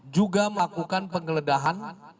juga melakukan pengeledahan